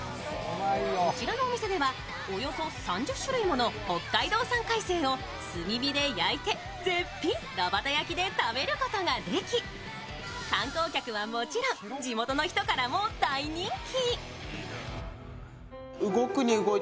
こちらのお店ではおよそ３０種類もの北海道海鮮を炭火で焼いて絶品炉端焼きで食べることができ、観光客はもちろん、地元の人からも大人気。